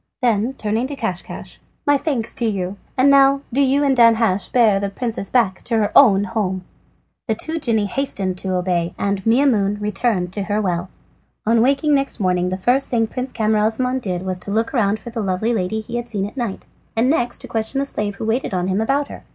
Then turning to Caschcasch: "My thanks to you, and now do you and Danhasch bear the princess back to her own home." The two genii hastened to obey, and Maimoune returned to her well. On waking next morning the first thing Prince Camaralzaman did was to look round for the lovely lady he had seen at night, and the next to question the slave who waited on him about her.